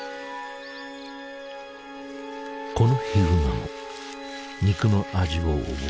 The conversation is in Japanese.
このヒグマも肉の味を覚え